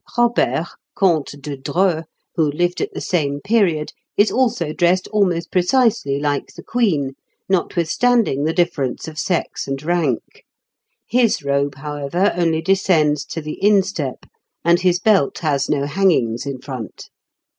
Robert, Comte de Dreux, who lived at the same period, is also dressed almost precisely like the Queen, notwithstanding the difference of sex and rank; his robe, however, only descends to the instep, and his belt has no hangings in front.